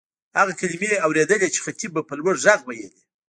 هغه کلیمې اورېدلې چې خطیب به په لوړ غږ وېلې.